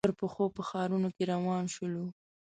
پر پښو په ښارنو کې روان شولو.